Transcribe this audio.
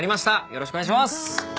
よろしくお願いします。